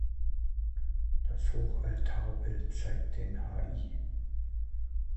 Das Hochaltarbild zeigt den Hl.